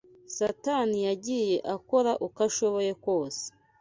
Satani yagiye akora uko ashoboye kose